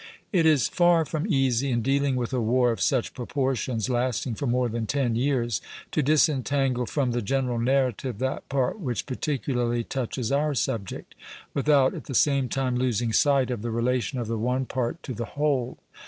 It is far from easy, in dealing with a war of such proportions, lasting for more than ten years, to disentangle from the general narrative that part which particularly touches our subject, without at the same time losing sight of the relation of the one part to the whole.